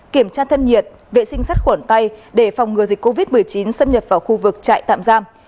kiểm tra thân nhiệt vệ sinh sát khuẩn tay để phòng ngừa dịch covid một mươi chín xâm nhập vào khu vực trại tạm giam